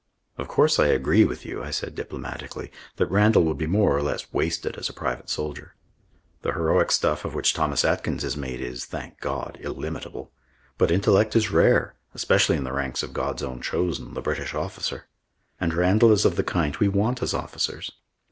"Of course I agree with you," I said diplomatically, "that Randall would be more or less wasted as a private soldier. The heroic stuff of which Thomas Atkins is made is, thank God, illimitable. But intellect is rare especially in the ranks of God's own chosen, the British officer. And Randall is of the kind we want as officers.